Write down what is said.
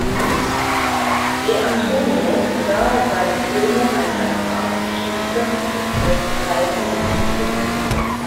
De Antonio sah seine Filme als eine Art Geschichte des Kalten Krieges.